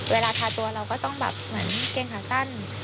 เวลาทาตัวเราก็ต้องแบบเหมือนเกงขาสั้น